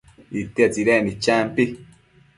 itia tsidecnid champi